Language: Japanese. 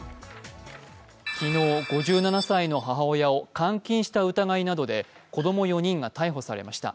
昨日、５７歳の母親を監禁した疑いなどで子供４人が逮捕されました。